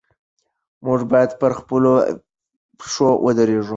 موږ باید پر خپلو پښو ودرېږو.